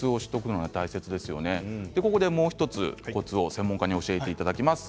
ここで、もう１つコツを専門家に教えていただきます。